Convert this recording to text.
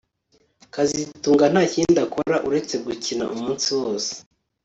kazitunga ntakindi akora usibye gukina umunsi wose